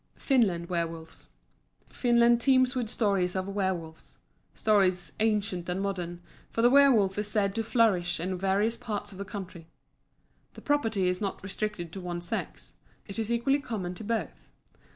FINLAND WERWOLVES Finland teems with stories of werwolves stories ancient and modern, for the werwolf is said to still flourish in various parts of the country. The property is not restricted to one sex; it is equally common to both.